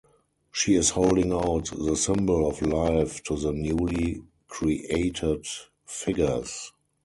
She is holding out the symbol of life to the newly created figures.